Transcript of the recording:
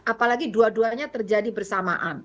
apalagi dua duanya terjadi bersamaan